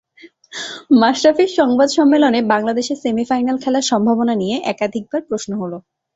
মাশরাফির সংবাদ সম্মেলনে বাংলাদেশের সেমিফাইনাল খেলার সম্ভাবনা নিয়ে একাধিকবার প্রশ্ন হলো।